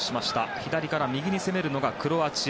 左から右に攻めるのがクロアチア。